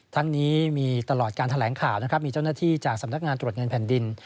ทั้งนี้มีตลอดการแถลงข่าวนะครับมีเจ้าหน้าที่จากสำนักงานตรวจเงินแผ่นดิน